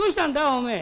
おめえ。